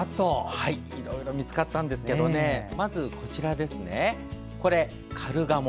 いろいろ見つかったんですがまずこちら、カルガモ。